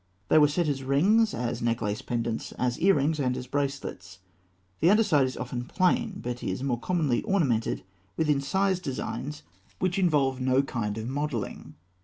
They were set as rings, as necklace pendants, as earrings, and as bracelets. The underside is often plain, but is more commonly ornamented with incised designs which involve no kind of modelling.